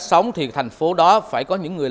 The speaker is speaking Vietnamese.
sống thì thành phố đó phải có những người